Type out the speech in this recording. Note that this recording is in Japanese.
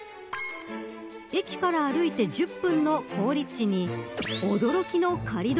駅から歩いて１０分の好立地に驚きの借り得